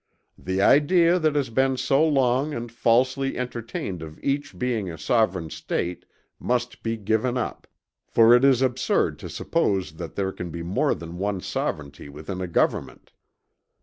"The idea that has been so long and falsely entertained of each being a sovereign State, must be given up; for it is absurd to suppose there can be more than one sovereignty within a government."